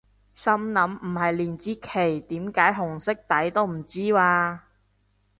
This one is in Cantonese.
心諗唔係連支旗點解紅色底都唔知咓？